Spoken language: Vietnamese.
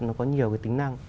nó có nhiều cái tính năng